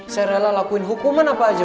saya rela lakuin hukuman apa aja